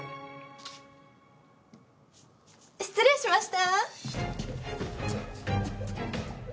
失礼しました！